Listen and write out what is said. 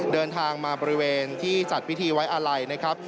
เดินทางมาบริเวณที่จัดพิธีไว้อาลัยนะครับ